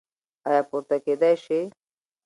ایا پورته کیدی شئ؟